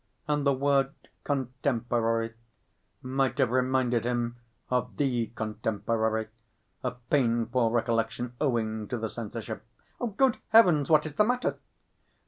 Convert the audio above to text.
And the word 'contemporary' might have reminded him of 'The Contemporary'—a painful recollection owing to the censorship.... Good Heavens, what is the matter!"